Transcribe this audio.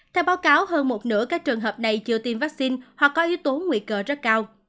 theo báo cáo hơn một nửa các trường hợp này chưa tiêm vaccine hoặc có yếu tố nguy cơ rất cao